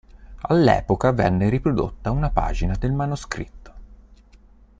All'epoca venne riprodotta una pagina del manoscritto.